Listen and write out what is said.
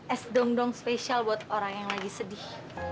es dong dong spesial buat orang yang lagi sedih